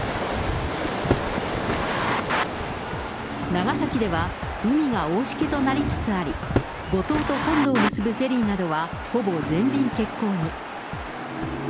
長崎では、海が大しけとなりつつあり、五島と本土を結ぶフェリーなどはほぼ全便欠航に。